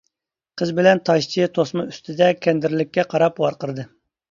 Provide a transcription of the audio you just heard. قىز بىلەن تاشچى توسما ئۈستىدە كەندىرلىككە قاراپ ۋارقىرىدى.